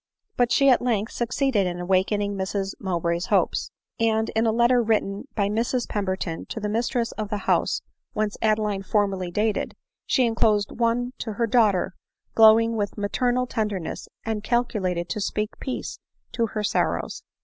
But she at length succeeded in awakening Mrs Mowbray's hopes ; and in a letter written by Mrs Pemberton to the mistress of the house whence Adeline formerly dated, she enclosed one to her daughter glowing with maternal tenderness, and calculated to speak peace to her sorrows.